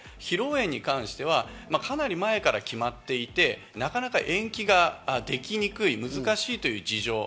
一方、披露宴に関してはかなり前から決まっていて、なかなか延期ができにくい、難しいという事情。